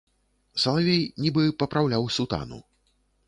Салавей нібы папраўляў сутану.